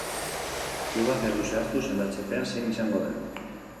Klubak ez du zehaztu sendatze-epea zein izango den.